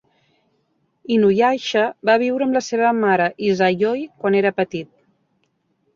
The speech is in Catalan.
Inuyasha va viure amb la seva mare Izayoi quan era petit.